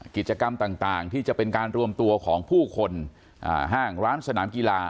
กิจกรรมต่างที่จะเป็นการรวมตัวของผู้คนห้างร้านสนามกีฬา